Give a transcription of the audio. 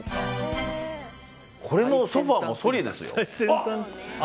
このソファもソリですよ。